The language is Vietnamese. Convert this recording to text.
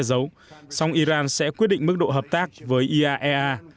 tổng thống iran sẽ quyết định mức độ hợp tác với iaea